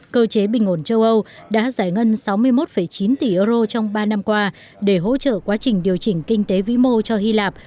cơ chế bình ổn châu âu đã giải ngân sáu mươi một chín tỷ euro trong ba năm qua để hỗ trợ quá trình điều chỉnh kinh tế vĩ mô cho hy lạp